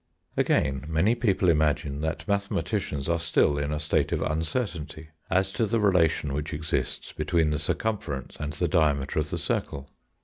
Again, many people imagine that mathematicians are still in a state of uncertainty as to the relation which exists between the circumference and the diameter of the circle.